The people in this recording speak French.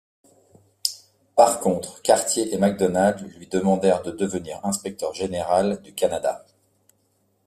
Par contre, Cartier et Macdonald lui demandèrent de devenir inspecteur général du Canada.